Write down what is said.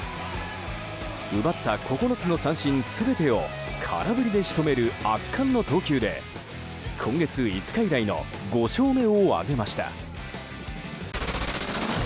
奪った９つの三振全てを空振りで仕留める圧巻の投球で今月５日以来の５勝目を挙げました。